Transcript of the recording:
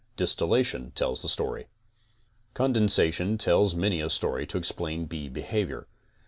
Dis tilation tells the story. Condensation tells many a story to explain bee behavior.